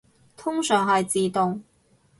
通常係自動